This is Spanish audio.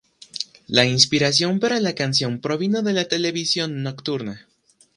La inspiración para la canción provino de la televisión nocturna.